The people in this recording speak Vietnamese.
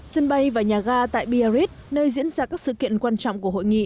sân bay và nhà ga tại biarritz nơi diễn ra các sự kiện quan trọng của hội nghị